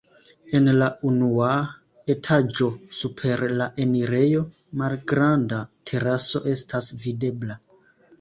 En la unua etaĝo super la enirejo malgranda teraso estas videbla.